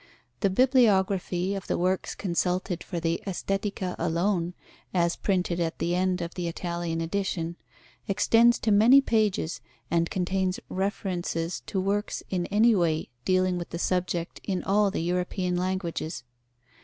The bibliography of the works consulted for the Estetica alone, as printed at the end of the Italian edition, extends to many pages and contains references to works in any way dealing with the subject in all the European languages.